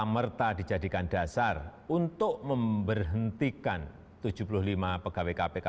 serta merta dijadikan dasar untuk memberhentikan tujuh puluh lima pegawai kpk